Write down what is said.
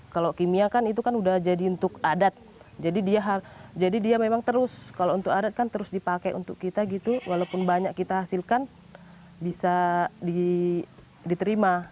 kalau kimia kan itu kan udah jadi untuk adat jadi dia memang terus kalau untuk adat kan terus dipakai untuk kita gitu walaupun banyak kita hasilkan bisa diterima